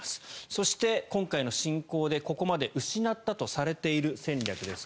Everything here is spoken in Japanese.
そして、今回の侵攻でここまで失ったとされている戦力です。